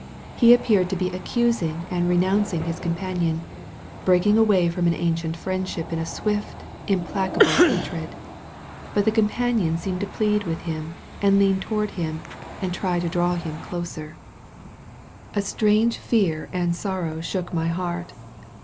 He appeared to be accusing and renouncing his companion, breaking away from an ancient friendship in a swift, im placable hatred. But the companion seemed to plead with him, and lean toward him, and try to draw him closer. 5 THE VALLEY OF VISION A strange fear and sorrow shook my heart.